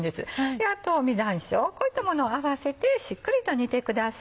であと実山椒こういったものを合わせてしっかりと煮てください。